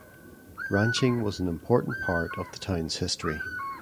Ranching was an important part of the town's history.